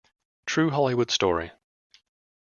True Hollywood Story.